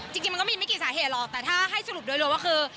จริงมันก็มีไม่กี่สาเหตุหรอกแต่ถ้าให้สรุปโดยรวมว่าคือ